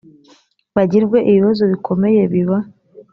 bagirwe ibibazo bikomeye biba